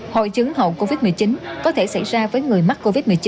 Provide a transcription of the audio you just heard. hội chứng hậu covid một mươi chín có thể xảy ra với người mắc covid một mươi chín